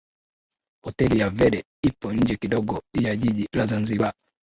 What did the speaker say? Hoteli ya Verde ipo nje kidogo ya Jiji la Zanzibar